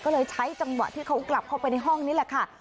ก็เลยใช้จังหวะที่เขากลับเข้าไปในห้องนี้แหละค่ะ